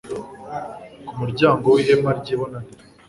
ku muryango w'ihema ry'ibonaniro